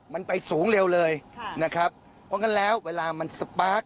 มันไปสูงเร็วเลยค่ะนะครับเพราะงั้นแล้วเวลามันสปาร์ค